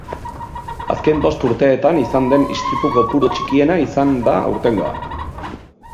Azken bost urteetan izan den istripu kopuru txikiena izan da aurtengoa.